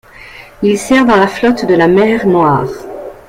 Il sert dans la Flotte de la mer Noire.